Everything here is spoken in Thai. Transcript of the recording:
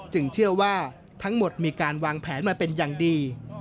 เชื่อว่าทั้งหมดมีการวางแผนมาเป็นอย่างดี